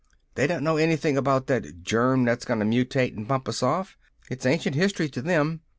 They don't know anything about that germ that's gonna mutate and bump us off! It's ancient history to them.